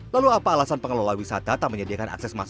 lalu apa alasan pengelola wisata tak menyediakan akses masuk